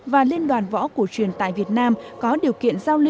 và liên đoàn võ cổ truyền tại việt nam có điều kiện giao lưu